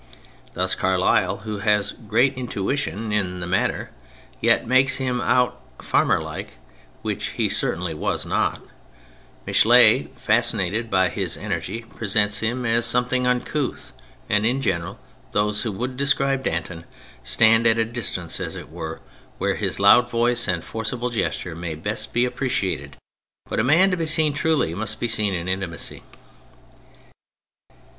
Thus Carlyle, who has great intuition in the matter, yet makes him out farmer like — ^which he certainly was not ; Michelet, fascinated by his energy, presents him as something uncouth, and in general those who would describe Danton stand at a distance, as it were, where his loud voice and forcible gesture may best be appreciated; but a man to be seen truly must be seen in intimacy.